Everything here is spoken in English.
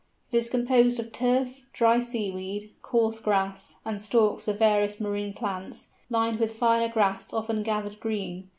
It is composed of turf, dry sea weed, coarse grass, and stalks of various marine plants, lined with finer grass often gathered green.